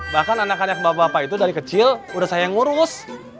bahkan anak anak bapak bapak itu dari kecil udah saya yang ngurus